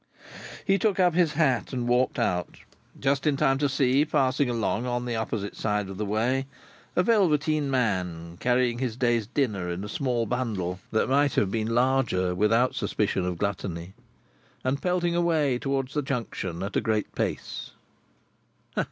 He took up his hat and walked out, just in time to see, passing along on the opposite side of the way, a velveteen man, carrying his day's dinner in a small bundle that might have been larger without suspicion of gluttony, and pelting away towards the Junction at a great pace.